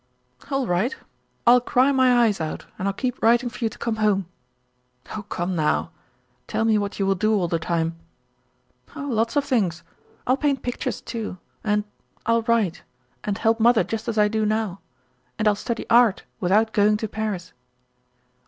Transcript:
"All right. I'll cry my eyes out, and I'll keep writing for you to come home." "Oh, come now! Tell me what you will do all the time." "Oh, lots of things. I'll paint pictures, too, and I'll write and help mother just as I do now; and I'll study art without going to Paris."